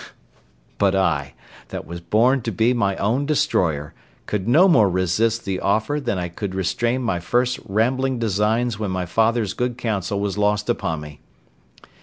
But I, that was born to be my own destroyer, could no more resist the offer than I could restrain my first rambling designs when my father's good counsel was lost upon me.